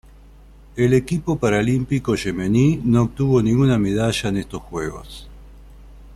El equipo paralímpico yemení no obtuvo ninguna medalla en estos Juegos.